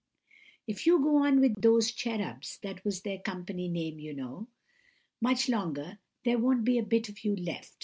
If you go on with those cherubs (that was their company name, you know) much longer, there won't be a bit of you left!